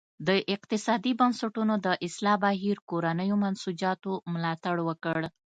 د اقتصادي بنسټونو د اصلاح بهیر کورنیو منسوجاتو ملاتړ وکړ.